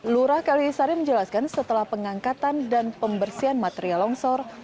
lurah kalisari menjelaskan setelah pengangkatan dan pembersihan material longsor